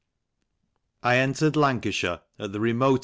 I Entered Laneajhire at the remoter!